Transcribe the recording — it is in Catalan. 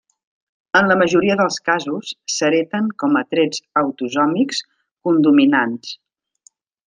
En la majoria dels casos, s'hereten com a trets autosòmics codominants.